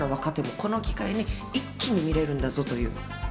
この機会に一気に見られるんだぞと。